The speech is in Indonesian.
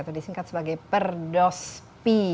atau disingkat sebagai pedospi